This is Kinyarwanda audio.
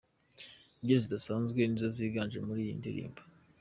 Imbyino zidasanzwe nizo ziganje muri iyi ndirimbo.